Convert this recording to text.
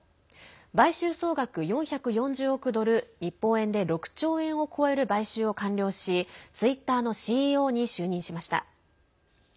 買収総額４４０億ドル日本円で６兆円を超える買収を完了し、ツイッターのＣＥＯに就任しました。